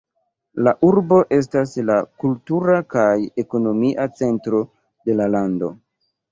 La urbo estas la kultura kaj ekonomia centro de la lando.